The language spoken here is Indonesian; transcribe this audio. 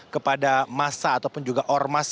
kepada masa ataupun juga ormas